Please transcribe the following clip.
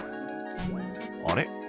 あれ？